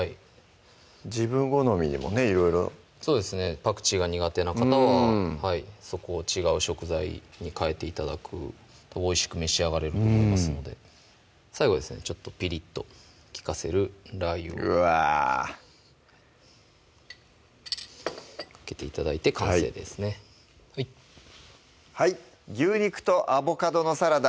自分好みにもねいろいろそうですねパクチーが苦手な方はそこを違う食材に換えて頂くとおいしく召し上がれると思いますので最後ですねちょっとピリッと利かせるラー油をうわかけて頂いて完成ですね「牛肉とアボカドのサラダ」